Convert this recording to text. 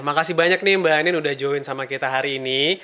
makasih banyak mbak anindita sudah join sama kita hari ini